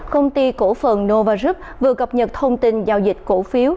công ty cổ phần novarub vừa cập nhật thông tin giao dịch cổ phiếu